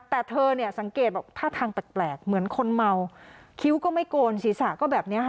แต่เธอเนี่ยสังเกตบอกท่าทางแปลกเหมือนคนเมาคิ้วก็ไม่โกนศีรษะก็แบบนี้ค่ะ